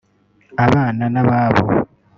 abana n’ababo